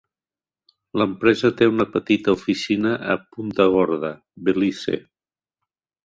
L'empresa té una petita oficina a Punta Gorda, Belize.